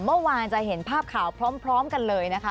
เมื่อวานจะเห็นภาพข่าวพร้อมกันเลยนะคะ